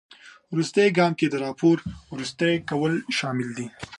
وروستي ګام کې د راپور وروستي کول شامل دي.